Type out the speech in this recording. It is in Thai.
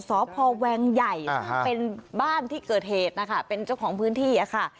สพแวงใหญ่ซึ่งเป็นบ้านที่เกิดเหตุนะคะเป็นเจ้าของพื้นที่อะค่ะ